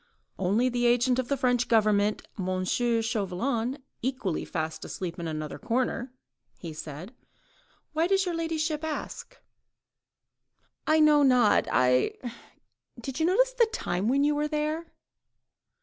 "Only the agent of the French Government, M. Chauvelin, equally fast asleep in another corner," he said. "Why does your ladyship ask?" "I know not ... I ... Did you notice the time when you were there?"